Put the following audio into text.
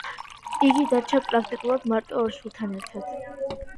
იგი დარჩა პრაქტიკულად მარტო ორ შვილთან ერთად.